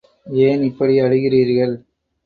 ஏன் இப்படி அழுகிறீர்கள்?